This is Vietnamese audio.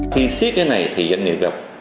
khi xét cái này thì doanh nghiệp gặp